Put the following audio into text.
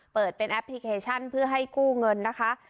เปิดเป็นแอปพลิเคชันเพื่อให้กู้เงินนะคะ